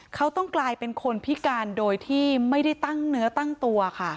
เขาต้องกลายเป็นคนพิการโดยที่ไม่ได้ตั้งเนื้อตั้งตัวค่ะ